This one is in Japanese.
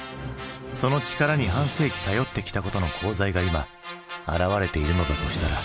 その力に半世紀頼ってきたことの功罪が今現れているのだとしたら。